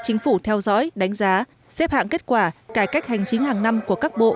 chính phủ theo dõi đánh giá xếp hạng kết quả cải cách hành chính hàng năm của các bộ